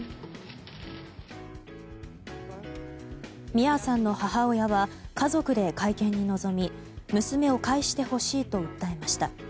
ミアさんの母親は家族で会見に臨み娘を返してほしいと訴えました。